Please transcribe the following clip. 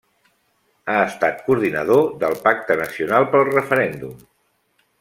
Ha estat coordinador del Pacte Nacional pel Referèndum.